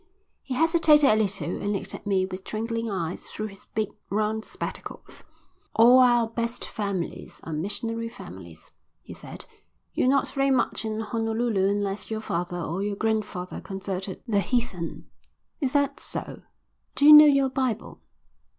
He hesitated a little and looked at me with twinkling eyes through his big round spectacles. "All our best families are missionary families," he said. "You're not very much in Honolulu unless your father or your grandfather converted the heathen." "Is that so?" "Do you know your Bible?"